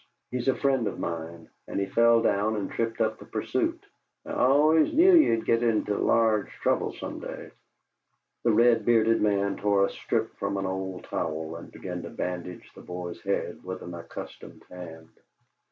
He's a friend of mine, and he fell down and tripped up the pursuit." "I always knew ye'd git into large trouble some day." The red bearded man tore a strip from an old towel and began to bandage the boy's head with an accustomed hand.